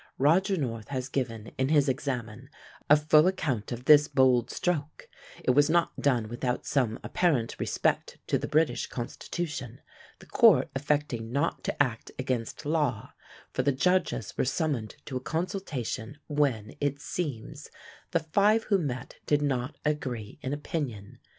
Roger North has given, in his Examen, a full account of this bold stroke: it was not done without some apparent respect to the British constitution, the court affecting not to act against law, for the judges were summoned to a consultation, when, it seems, the five who met did not agree in opinion.